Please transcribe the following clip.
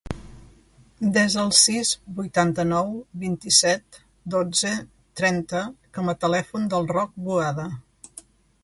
Desa el sis, vuitanta-nou, vint-i-set, dotze, trenta com a telèfon del Roc Boada.